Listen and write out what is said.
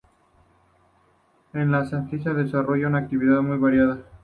En la estancia, desarrolló una actividad muy variada.